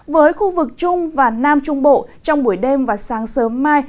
với khu vực trung và nam trung bộ trong buổi đêm và sáng sớm mai